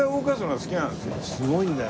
すごいんだよ。